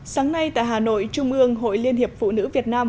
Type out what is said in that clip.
sáng nay tại hà nội trung ương hội liên hiệp phụ nữ việt nam